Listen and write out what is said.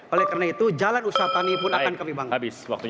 oleh karena itu jalan usaha tani pun akan kami bangun